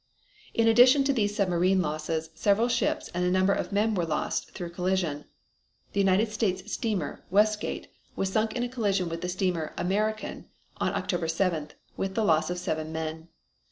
In addition to these submarine losses several ships and a number of men were lost through collision. The United States steamer Westgate was sunk in a collision with the steamer American on October 7th, with the loss of seven men.